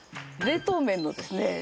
冷凍麺のですね